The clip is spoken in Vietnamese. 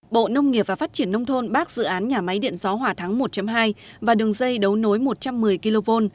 bộ nông nghiệp và phát triển nông thôn bác dự án nhà máy điện gió hòa thắng một hai và đường dây đấu nối một trăm một mươi kv